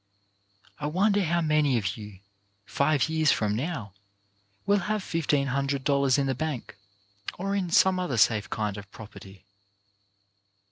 I wonder how many of you, five years from now, will have fifteen hundred dollars in the bank or in some other safe kind of property.